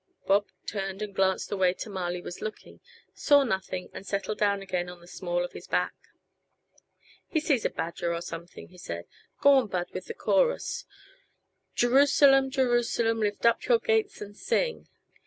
Bob turned and glanced the way Tamale was looking; saw nothing, and settled down again on the small of his back. "He sees a badger or something," he Said. "Go on, Bud, with the chorus." "Jerusalem, Jerusalem, Lift up your gates and sing."